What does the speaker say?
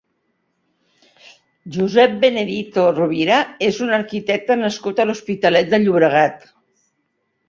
Josep Benedito Rovira és un arquitecte nascut a l'Hospitalet de Llobregat.